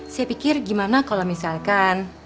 saya pikir gimana kalau misalkan